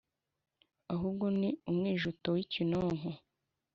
Ahubwo ni umwijuto w' ikinonko